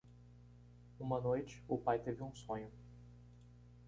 Uma noite? o pai teve um sonho.